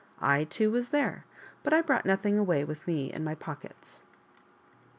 I, too, was there, but I brought nothing away with me in my pockets.